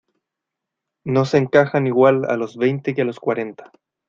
no se encajan igual a los veinte que a los cuarenta.